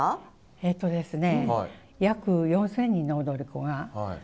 えっとですね